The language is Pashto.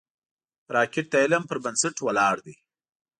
راکټ د علم پر بنسټ ولاړ دی